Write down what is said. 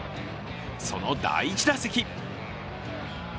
その第１打席。